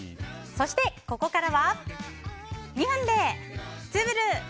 そしてここからは２分でツウぶる！